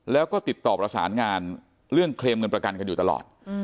แล้วก็ติดต่อประสานงานเรื่องเคลมเงินประกันกันอยู่ตลอด